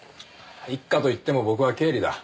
一課と言っても僕は経理だ。